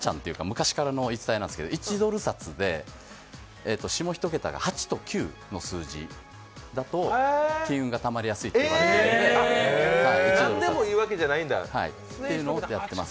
昔からの言い伝えなんですけど１ドル札で下１桁が８と９の数字だと金運がたまりやすいというのでやってます。